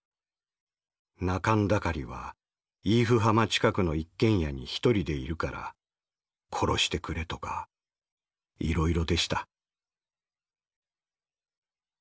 仲村渠はイーフ浜近くの一軒家に一人でいるから殺してくれとかいろいろでした」。